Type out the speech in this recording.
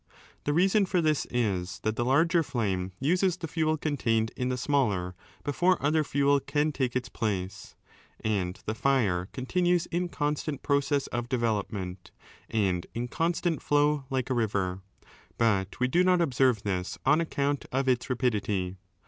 The reason for this is that the larger flame uses the fuel contained in the smaller before other fuel can take its place, and the fire continues in constant process of development and in constant flow like a river, 4 but we do not observe this on account of its rapidity.